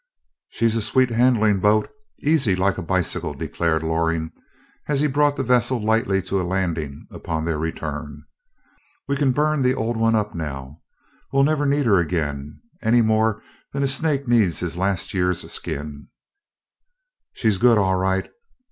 "She's a sweet handling boat easy like a bicycle," declared Loring as he brought the vessel lightly to a landing upon their return. "We can burn the old one up now. We'll never need her again, any more than a snake needs his last year's skin." "She's good, all right.